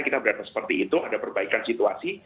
kita berada seperti itu ada perbaikan situasi